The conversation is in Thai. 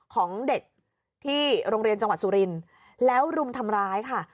ของเด็กที่โรงเรียนจังหวัดสุรินทร์แล้วรุมทำร้ายค่ะ